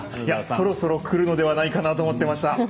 そろそろくるのではないかなと思っていました。